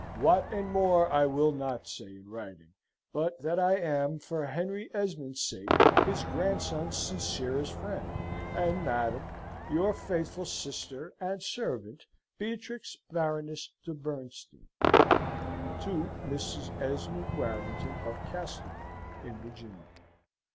What and more I will not say in writing; but that I am, for Henry Esmond's sake, his grandson's sincerest friend, and madam, Your faithful sister and servant, BEATRIX BARONESS DE BERNSTEIN. "To Mrs. Esmond Warrington of Castlewood, in Virginia."